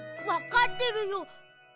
わかってるよ。